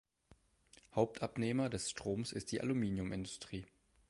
Hauptabnehmer des Stroms ist die Aluminiumindustrie.